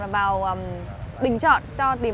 bào bình chọn